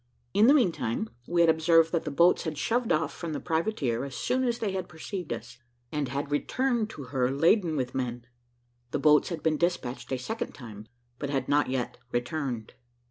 In the meantime, we had observed that the boats had shoved off from the privateer as soon as they had perceived us, and had returned to her laden with men: the boats had been despatched a second time, but had not yet returned.